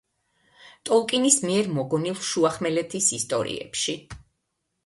ტოლკინის მიერ მოგონილ შუახმელეთის ისტორიებში.